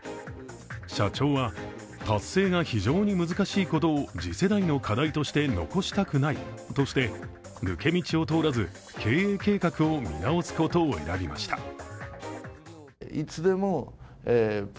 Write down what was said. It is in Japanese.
社長は、達成が非常に難しいことを次世代の課題として残したくないとして抜け道を通らず経営計画を見直すことを選びました。